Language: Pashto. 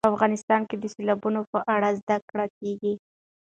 په افغانستان کې د سیلابونو په اړه زده کړه کېږي.